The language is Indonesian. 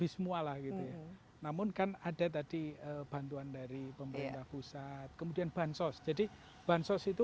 semua lah gitu ya namun kan ada tadi bantuan dari pemerintah pusat kemudian bansos jadi bansos itu